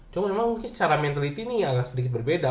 cuma memang mungkin secara mentality ini agak sedikit berbeda